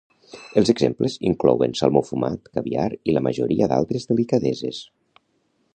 Els exemples inclouen salmó fumat, caviar i la majoria d'altres delicadeses.